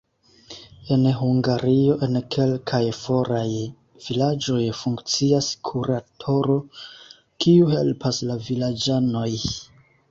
En Hungario en kelkaj foraj vilaĝoj funkcias kuratoro, kiu helpas la vilaĝanojn.